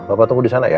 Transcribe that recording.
papa tunggu disana ya